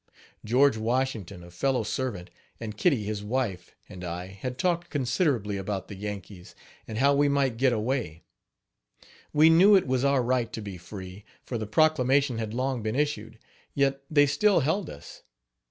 George Washington, a fellow servant, and Kitty, his wife, and I had talked considerably about the Yankees, and how we might get away, We knew it was our right to be free, for the proclamation had long been issued yet they still held us.